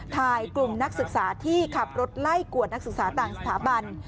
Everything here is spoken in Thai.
กลุ่มนักศึกษาที่ขับรถไล่กวดนักศึกษาต่างสถาบัน